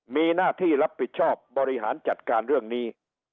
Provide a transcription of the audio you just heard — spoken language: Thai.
มีหน้าที่รับผิดชอบบริหารจัดการเรื่องนี้